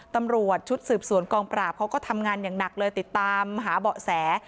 ตำรวจชุดสืบสวนกองปราบเขาก็ทำงานอย่างหนักเลยติดตามหาเบาะแส